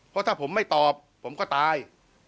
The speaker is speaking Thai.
เพราะถ้าผมไม่ตอบผมก็ตาย